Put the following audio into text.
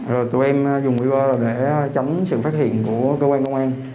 rồi tụi em dùng quý vợ